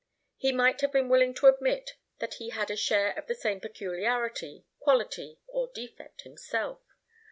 He might have been willing to admit that he had a share of the same peculiarity, quality, or defect, himself.